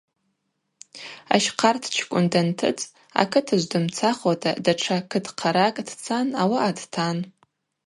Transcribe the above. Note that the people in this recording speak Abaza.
Ащхъарктчкӏвын дантыцӏ, акытыжв дымцахуата датша кытхъаракӏ дцан ауаъа дтан.